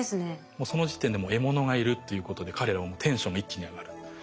もうその時点でもう獲物がいるっていうことで彼らはもうテンションが一気に上がる。